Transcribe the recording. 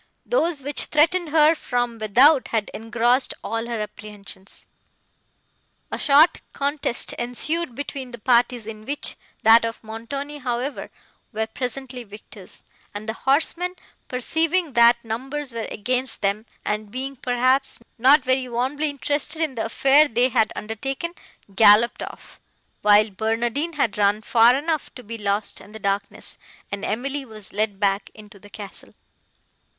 Those, which threatened her from without, had engrossed all her apprehensions. A short contest ensued between the parties, in which that of Montoni, however, were presently victors, and the horsemen, perceiving that numbers were against them, and being, perhaps, not very warmly interested in the affair they had undertaken, galloped off, while Barnardine had run far enough to be lost in the darkness, and Emily was led back into the castle.